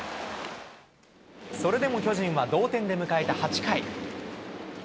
それでも巨人は同点で迎えた８回。